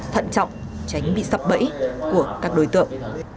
thận trọng tránh bị sập bẫy của các đối tượng